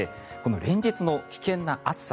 連日の危険な暑さ